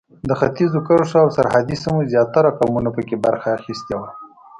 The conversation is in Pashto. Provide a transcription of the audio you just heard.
د ختیځو کرښو او سرحدي سیمو زیاترو قومونو په کې برخه اخیستې وه.